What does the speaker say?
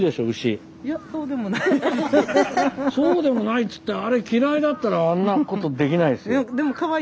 そうでもないっつってあれ嫌いだったらあんなことできないですよ。